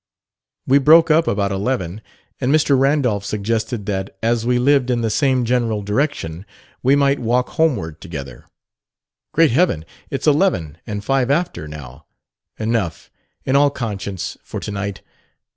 "We broke up about eleven, and Mr. Randolph suggested that, as we lived in the same general direction, we might walk homeward together. Great heaven! it's eleven and five after now! Enough, in all conscience, for to night.